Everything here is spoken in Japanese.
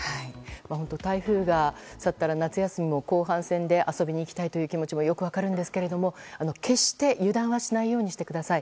本当に、台風が去ったら夏休みも後半戦で遊びに行きたいという気持ちもよく分かるんですけれども決して、油断はしないようにしてください。